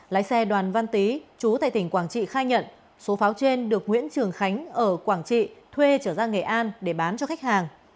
lái xe đoàn văn tý chú tại tỉnh quảng trị khai nhận số pháo trên được nguyễn trường khánh ở quảng trị thuê trở ra nghệ an để bán cho khách hàng